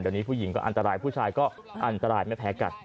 เดี๋ยวนี้ผู้หญิงก็อันตรายผู้ชายก็อันตรายไม่แพ้กัน